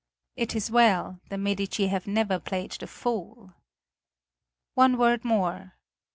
It is well, the Medici have never played the fool. One word more.